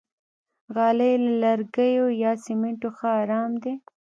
غالۍ له لرګیو یا سمنټو ښه آرام دي.